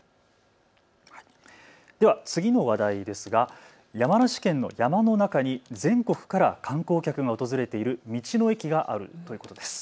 では次の話題ですが山梨県の山の中に全国から観光客が訪れている道の駅があるということです。